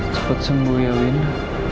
cepat sembuh ya wina